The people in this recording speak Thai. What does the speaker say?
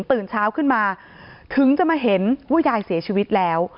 ตื่นเช้าขึ้นมาถึงจะมาเห็นว่ายายเสียชีวิตแล้ว